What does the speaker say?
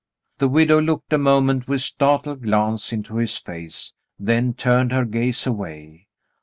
The widow looked a moment with startled glance into his face, then turned her gaze away.